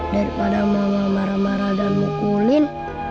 daripada mau marah marah dan mukulin